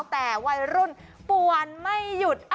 แต่วัยรุ่นปวนไม่หยุด